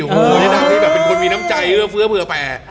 โหเจ๊ดำแบบเป็นคนมีน้ำใจเผื่อแผ่